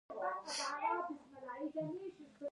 چی د هغو له جملی څخه د ځینی په لاندی ډول دی